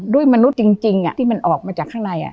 มนุษย์จริงที่มันออกมาจากข้างใน